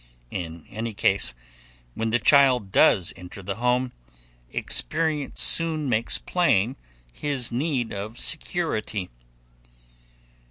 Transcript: In any case, when the child does enter the home, experience soon makes plain his need of security.